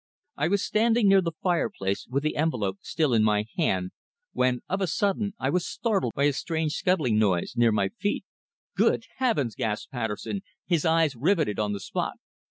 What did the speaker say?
I was standing near the fireplace with the envelope still in my hand when, of a sudden, I was startled by a strange scuttling noise near my feet. "Good heavens!" gasped Patterson, his eyes riveted on the spot.